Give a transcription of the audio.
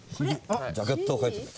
ジャケットを描いてくれた。